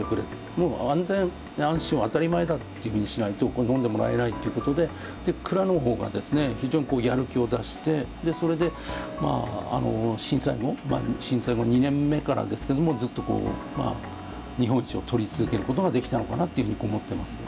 もう安全安心を当たり前だっていうふうにしないと飲んでもらえないっていうことで蔵の方がですね非常にやる気を出してそれで震災後２年目からですけどもずっとこう日本一を取り続けることができたのかなっていうふうに思ってます。